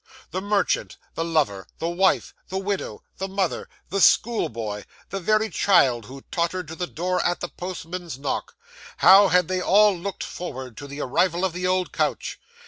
The merchant, the lover, the wife, the widow, the mother, the school boy, the very child who tottered to the door at the postman's knock how had they all looked forward to the arrival of the old coach.